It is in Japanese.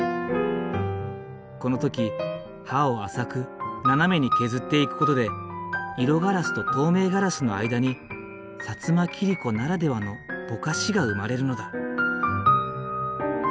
この時刃を浅く斜めに削っていく事で色ガラスと透明ガラスの間に摩切子ならではのボカシが生まれるのだ。